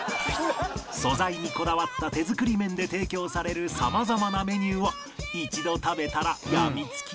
素材にこだわった手作り麺で提供される様々なメニューは一度食べたらやみつきの味！